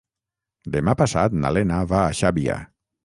Demà passat na Lena va a Xàbia.